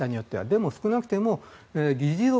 でも少なくとも議事録